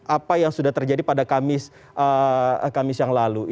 apa yang sudah terjadi pada kamis yang lalu